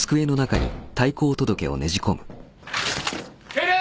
敬礼！